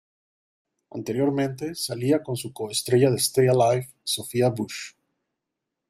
Anteriormente, salía con su coestrella de "Stay Alive", Sophia Bush.